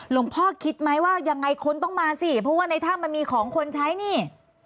พ่อคิดไหมว่ายังไงคนต้องมาสิเพราะว่าในถ้ำมันมีของคนใช้นี่